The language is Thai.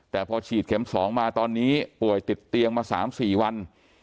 แต่พอฉีดเข็ม๒มาตอนนี้ป่วยติดเตียงมา๓๔วัน